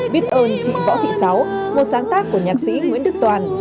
biết ơn chị võ thị sáu một sáng tác của nhạc sĩ nguyễn đức toàn